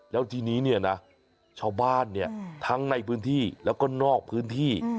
แล้วทีนี้เนี่ยนะชาวบ้านเนี่ยทั้งในพื้นที่แล้วก็นอกพื้นที่